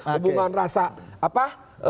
hubungan rasa apa